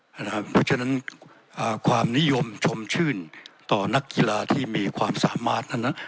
เพราะฉะนั้นความนิยมชมชื่นต่อนักกีฬาที่มีความสามารถนั้น